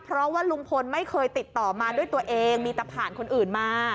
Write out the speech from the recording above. เพราะว่าลุงพลไม่เคยติดต่อมาด้วยตัวเองมีแต่ผ่านคนอื่นมา